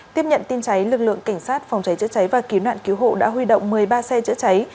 tiếp nhận tin cháy lực lượng cảnh sát phòng cháy chữa cháy và cứu nạn cứu hộ đã huy động một mươi ba xe chữa cháy